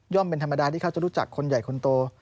เป็นธรรมดาที่เขาจะรู้จักคนใหญ่คนโต